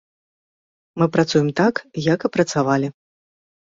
Мы працуем так, як і працавалі.